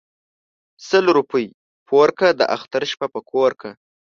ـ سل روپۍ پوره كه داختر شپه په كور كه.